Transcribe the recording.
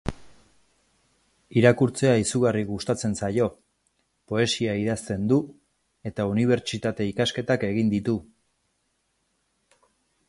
Irakurtzea izugarri gustatzen zaio, poesia idazten du, eta unibertsitate-ikasketak egin ditu.